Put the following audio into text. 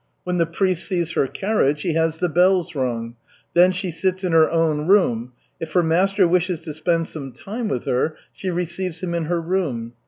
When the priest sees her carriage, he has the bells rung. Then she sits in her own room. If her master wishes to spend some time with her, she receives him in her room.